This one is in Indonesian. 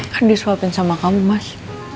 kan disuapin sama kamu mas